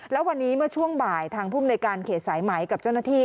แล้ววันนี้เมื่อช่วงบ่ายทางภูมิในการเขตสายไหมกับเจ้าหน้าที่